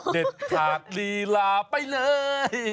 เด็ดขาดลีลาไปเลย